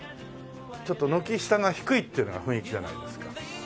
ちょっと軒下が低いっていうのが雰囲気じゃないですか。